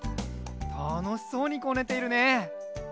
たのしそうにこねているね。